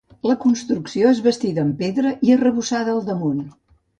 La construcció és bastida amb pedra i arrebossada al damunt.